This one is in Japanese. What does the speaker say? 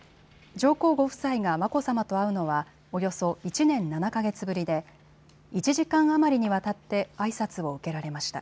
上皇ご夫妻が眞子さまと会うのはおよそ１年７か月ぶりで１時間余りにわたってあいさつを受けられました。